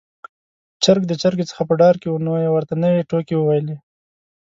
چرګ د چرګې څخه په ډار کې و، نو يې ورته نوې ټوکې وويلې.